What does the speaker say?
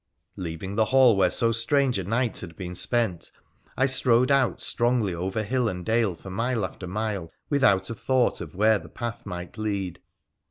Leaving the hall where so strange a night had been spent, I strode out strongly over hill and dale for mile after mile, without a thought of where the path might lead.